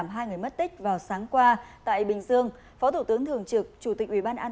phó thủ tướng thường trực chủ tịch ubnd giao thông quốc gia trương hòa bình vừa yêu cầu khẩn trương điều tra nguyên nhân của vụ tai nạn